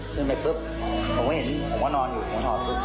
ขึ้นไปปุ๊บผมก็เห็นผมก็นอนอยู่ผมถอดปุ๊บ